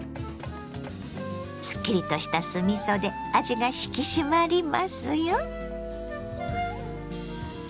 すっきりとした酢みそで味が引き締まりますよ。